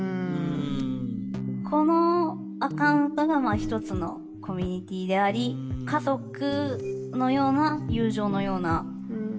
このアカウントが一つのコミュニティーであり家族のような友情のような大事なもので。